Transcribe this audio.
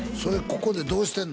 ここでどうしてんの？